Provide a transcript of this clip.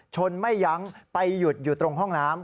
ไม่ยั้งไปหยุดอยู่ตรงห้องน้ำ